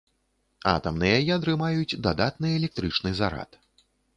Атамныя ядры маюць дадатны электрычны зарад.